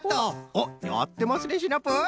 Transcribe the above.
おっやってますねシナプー。